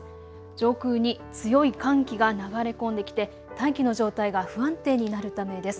上空に強い寒気が流れ込んできて大気の状態が不安定になるためです。